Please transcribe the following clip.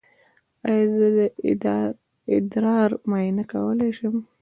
ایا زه د ادرار معاینه کولی شم؟